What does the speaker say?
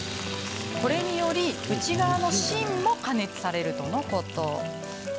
これにより内側の芯も加熱されるとのこと。